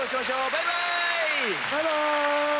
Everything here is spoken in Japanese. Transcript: バイバイ！